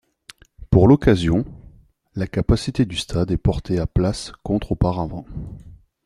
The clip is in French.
Pour l'occasion, la capacité du stade est portée à places contre auparavant.